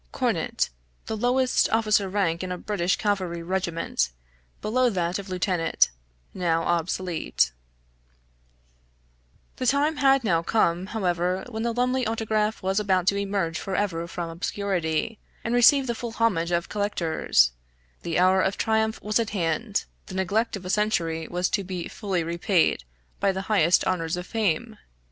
{cornet = the lowest officer rank in a British cavalry regiment, below that of Lieutenant; now obsolete} The time had now come, however, when the Lumley autograph was about to emerge forever from obscurity, and receive the full homage of collectors; the hour of triumph was at hand, the neglect of a century was to be fully repaid by the highest honors of fame.